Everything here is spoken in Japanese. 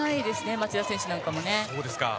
町田選手なんかも。